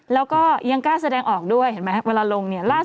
แล้วก็ยังกล้าแสดงออกด้วยเห็นไหมเวลาลงเนี่ยล่าสุด